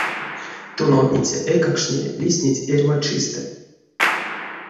Тонавтниця эйкакштне лиснить эрьва чистэ.